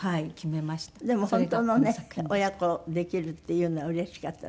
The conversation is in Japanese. でも本当のね親子できるっていうのはうれしかったでしょ。